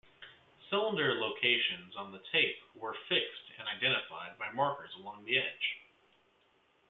Cylinder locations on the tape were fixed and identified by markers along the edge.